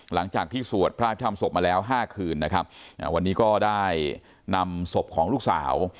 หลังจากพิสูจน์พระพิธามสบมาแล้ว๕คืนนะครับวันนี้ก็ได้นำสบของลูกสาว